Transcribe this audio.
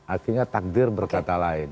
artinya takdir berkata lain